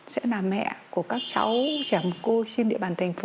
sẽ là mẹ của các cháu trẻ mồ cô trên địa bàn thành phố